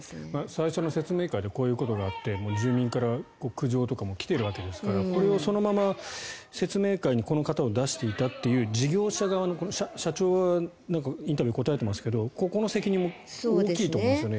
最初の説明会でこういうことがあって住民からも苦情とかが来ているわけですからこれをそのまま説明会にこの方を出していたっていう事業者側の社長はインタビューに答えていますけれどここの責任も多いと思いますね。